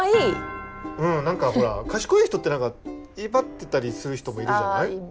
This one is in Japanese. うん何かほら賢い人って威張ってたりする人もいるじゃない。